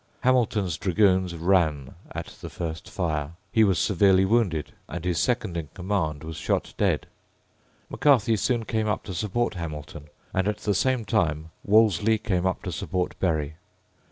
Hamilton's dragoons ran at the first fire: he was severely wounded; and his second in command was shot dead. Macarthy soon came up to support Hamilton; and at the same time Wolseley came up to support Berry.